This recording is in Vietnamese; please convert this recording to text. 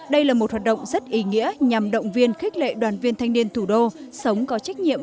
đây là một hoạt động rất ý nghĩa nhằm động viên khích lệ đoàn viên thanh niên thủ đô sống có trách nhiệm